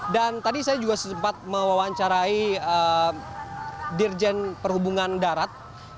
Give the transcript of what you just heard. dan tadi saya juga sempat mewawancarai dirjen perhubungan darat